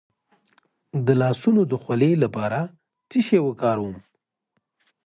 د لاسونو د خولې لپاره څه شی وکاروم؟